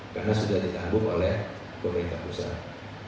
karena sudah ditambuh oleh pemerintah usaha